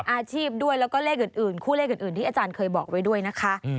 อาชีพด้วยแล้วก็เลขอื่นคู่เลขอื่นที่อาจารย์เคยบอกไว้ด้วยนะคะ